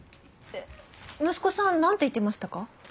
えっ息子さんなんて言ってましたか？